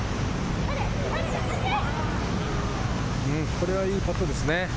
これは、いいパットですね。